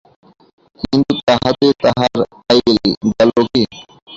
কিন্তু তাহাতে তাহার আইল গেল কী?